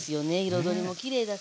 彩りもきれいだし。